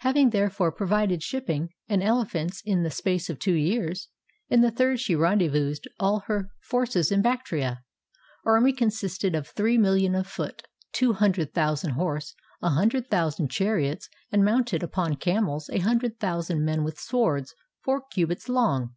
Having therefore provided shipping and elephants in the space of two years, in the third she rendezvoused all her forces in Bactria. Her army consisted of three millions of foot, two hundred thousand horse, a hun dred thousand chariots, and mounted upon camels a hundred thousand men with swords four cubits long.